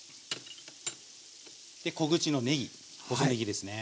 小口のねぎ細ねぎですね。